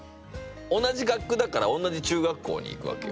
同じ学区だから同じ中学校に行くわけよ。